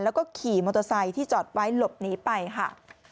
แล้วก็ขี่มอเตอร์ไซค์ที่จอดไว้หลบหนีไปค่ะ